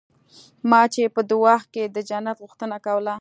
ما چې په دعا کښې د جنت غوښتنه کوله.